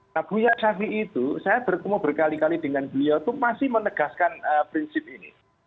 nah beliau syafi'i itu saya bertemu berkali kali dengan beliau itu masih menegaskan prinsip ini